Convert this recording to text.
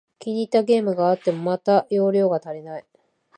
気に入ったゲームがあっても、また容量が足りない